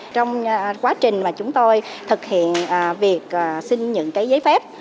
trong quá trình mà chúng tôi thực hiện việc xin những cái giấy phép